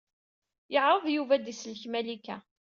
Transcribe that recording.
Yeɛṛeḍ Yuba ad d-isellek Malika.